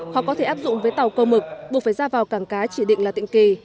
họ có thể áp dụng với tàu câu mực buộc phải ra vào cảng cá chỉ định là tịnh kỳ